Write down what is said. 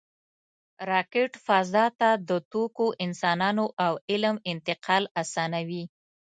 راکټ فضا ته د توکو، انسانانو او علم انتقال آسانوي